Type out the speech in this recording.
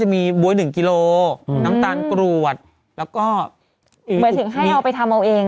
เหมือนถึงให้เราไปทำเอาเอง